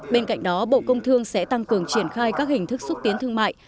bên cạnh đó bộ công thương sẽ tăng cường triển khai các hình thức xúc tiến thương mại